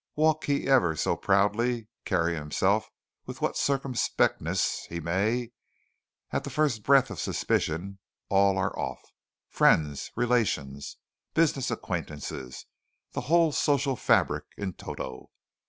Walk he ever so proudly, carry himself with what circumspectness he may, at the first breath of suspicion all are off friends, relations, business acquaintances, the whole social fabric in toto.